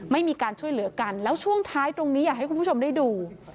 ไม่มีการช่วยเหลือกันแล้วช่วงท้ายตรงนี้อยากให้คุณผู้ชมได้ดู